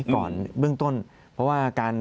ก่อนเบื้องต้นเพราะว่าการ